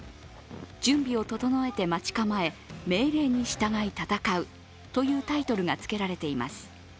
準備を整えて待ち構え、命令に従い戦うというタイトルがつけられています。